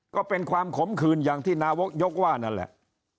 ก็เป็นความขมขืนอย่างที่นายกยกว่านั่นแหละ